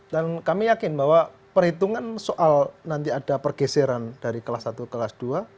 dan kami yakin bahwa perhitungan soal nanti ada pergeseran dari kelas satu kelas dua